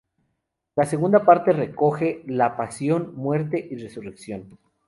La segunda parte recoge la Pasión, Muerte y Resurrección.